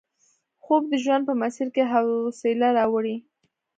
خوب د ژوند په مسیر کې حوصله راوړي